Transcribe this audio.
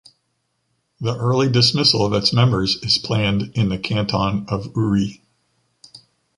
The early dismissal of its members is planned in the Canton of Uri.